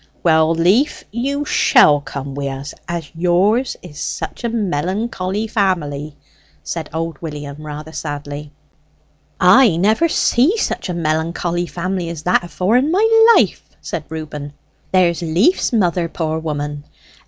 "Well, Leaf, you shall come wi' us as yours is such a melancholy family," said old William rather sadly. "I never see such a melancholy family as that afore in my life," said Reuben. "There's Leaf's mother, poor woman!